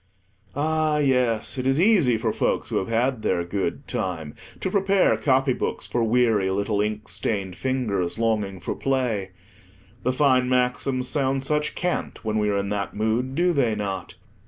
Ah, yes, it is easy for folks who have had their good time, to prepare copybooks for weary little inkstained fingers, longing for play. The fine maxims sound such cant when we are in that mood, do they not?